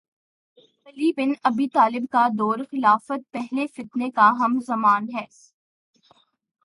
علی بن ابی طالب کا دور خلافت پہلے فتنے کا ہم زمان ہے